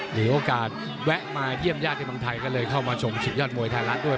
มีโอกาสแวะมาเยี่ยมญาติในเมืองไทยก็เลยเข้ามาชมศึกยอดมวยไทยรัฐด้วย